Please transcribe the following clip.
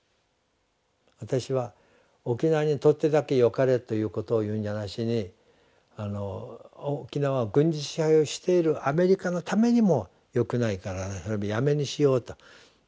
私は沖縄にとってだけよかれということを言うんじゃなしに沖縄を軍事支配をしているアメリカのためにもよくないからやめにしようと。